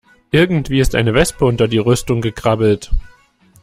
Irgendwie ist eine Wespe unter die Rüstung gekrabbelt.